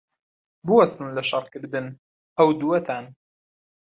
بوەستن لە شەڕکردن، ئەو دووەتان!